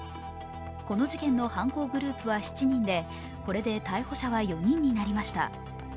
この事件の犯行グループは７人で、これで逮捕者は４人になりました。